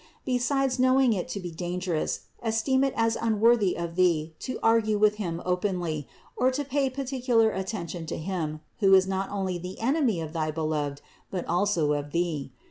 Besides knowing it to be dangerous, esteem it as unworthy of thee to argue with him openly, or to pay particular attention to him, who is not only the enemy of thy Beloved but also of thee.